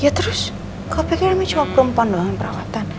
ya terus kok pikir ini cuma perempuan doang yang perawatan